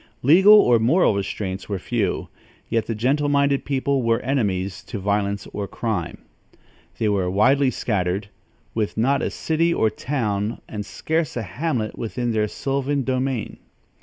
Legal or moral restraints were few; yet the gentle minded people were enemies to violence or crime. They were widely scattered, with not a city or town and scarce a hamlet within their sylvan domain.